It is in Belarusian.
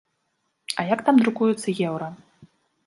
А як там друкуюцца еўра?